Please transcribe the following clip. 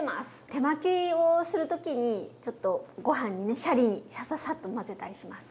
手巻きをする時にちょっとご飯にねシャリにサササッと混ぜたりします。